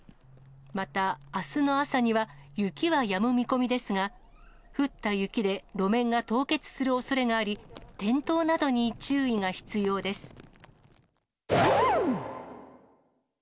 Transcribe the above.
また、あすの朝には雪はやむ見込みですが、降った雪で路面が凍結するおそれがあり、転倒などに注意が必要です。